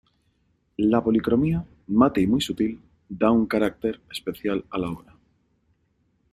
La policromía, mate y muy sutil, da un carácter especial a la obra.